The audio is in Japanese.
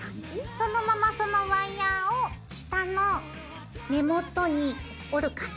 そのままそのワイヤーを下の根元に折る感じ。